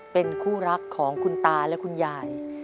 เป็นคู่รักของคุณตาและคุณยาย